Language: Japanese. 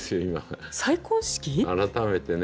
改めてね。